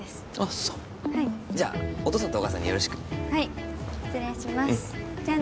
そうじゃあお父さんとお母さんによろしくはい失礼しますじゃあね